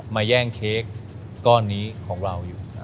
แย่งเค้กก้อนนี้ของเราอยู่